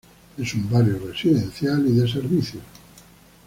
Es un barrio residencial y de servicios.